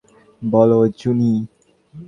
বলো, জুনি।